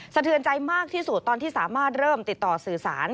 เทือนใจมากที่สุดตอนที่สามารถเริ่มติดต่อสื่อสาร